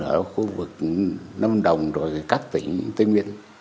ở khu vực lâm đồng rồi các tỉnh tây nguyên